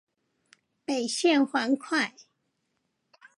北縣環快